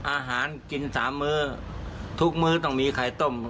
อาหารกินสามมื้อทุกมื้อต้องมีไข่ต้ม